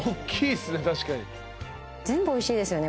全部おいしいですよね。